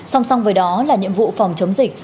song song với đó là nhiệm vụ phòng chống dịch